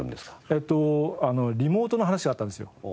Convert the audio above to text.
えっとリモートの話があったんですよ。